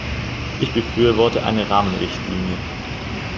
Ich befürworte eine Rahmenrichtlinie.